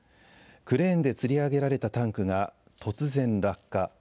クレーンでつり上げられたタンクが突然落下。